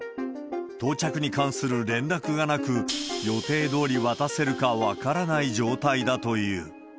到着に関する連絡がなく、予定どおり渡せるか分からない状態だという。